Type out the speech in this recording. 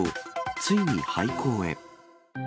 ついに廃坑へ。